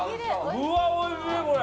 うわおいしいこれ。